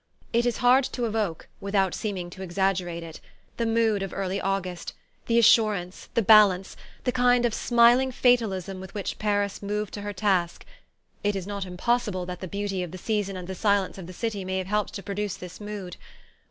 It is hard to evoke, without seeming to exaggerate it, that the mood of early August: the assurance, the balance, the kind of smiling fatalism with which Paris moved to her task. It is not impossible that the beauty of the season and the silence of the city may have helped to produce this mood.